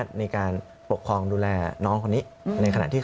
อย่างนี้